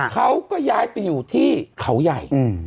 เขาก็ย้ายไปอยู่ที่เขาใหญ่